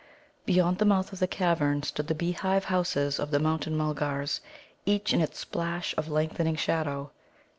Beyond the mouth of the cavern stood the beehive houses of the Mountain mulgars, each in its splash of lengthening shadow.